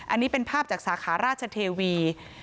อันนี้เป็นภาพจากสาขาราชเทวี